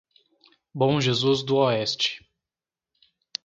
Bom Jesus do Oeste